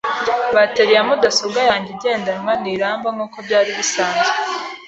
Bateri ya mudasobwa yanjye igendanwa ntiramba nkuko byari bisanzwe.